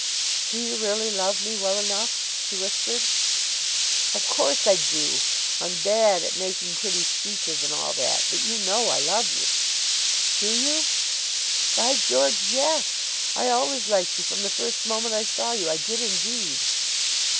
"Do you really love me well enough?" she whispered. "Of course I do. I'm bad at making pretty speeches, and all that, but you know I love you." "Do you?" "By George, yes. I always liked you from the first moment I saw you. I did indeed."